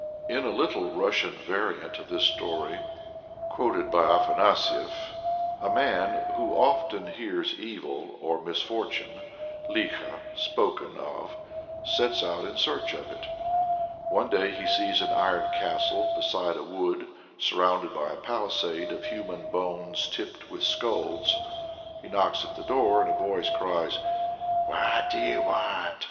In a Little Russian variant of this story, quoted by Afanasief, (III. p. 137) a man, who often hears evil or misfortune (likho) spoken of, sets out in search of it. One day he sees an iron castle beside a wood, surrounded by a palisade of human bones tipped with skulls. He knocks at the door, and a voice cries "What do you want?"